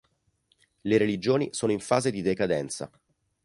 Le religioni sono in fase di decadenza.